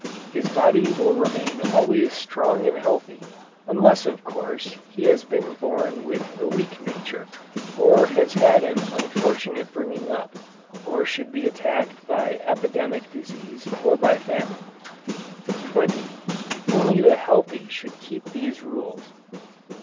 His body will remain always strong and healthy, unless of course he has been born with a weak nature, or has had an unfortunate bringing up, or should be attacked by epidemic disease or by famine. 20. Only the healthy should keep these rules.